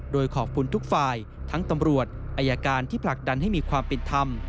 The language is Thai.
โดยขอบคุณทุกฝ่ายทั้งตำรวจอายการที่ผลักดันให้มีความเป็นธรรม